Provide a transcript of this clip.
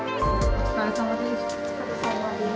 お疲れさまです。